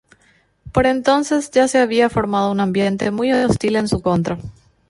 Por entonces ya se había formado un ambiente muy hostil en su contra.